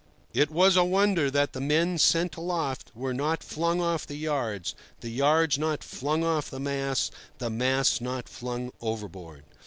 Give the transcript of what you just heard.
It was a wonder that the men sent aloft were not flung off the yards, the yards not flung off the masts, the masts not flung overboard.